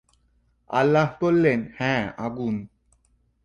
আল্লাহ বললেন হ্যাঁ, আগুন।